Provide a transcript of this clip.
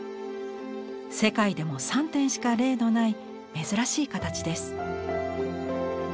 世界でも３点しか例のない珍しい形です。